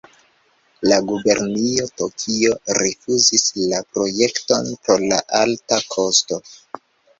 La gubernio Tokio rifuzis la projekton pro la alta kosto.